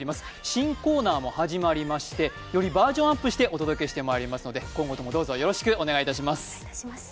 新コーナーも始まりましてよりバージョンアップしてお届けしてまいりますので今後ともどうぞよろしくお願いいたします。